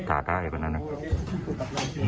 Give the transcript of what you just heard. ถ่าท่ายไปนั้นนะฮะ